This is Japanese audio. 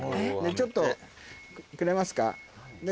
ちょっとくれますか。